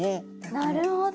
なるほど。